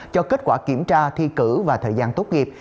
cho kết quả kiểm tra thi cử và thời gian tốt nghiệp